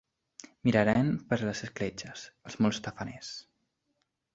Miraren per les escletxes, els molt tafaners.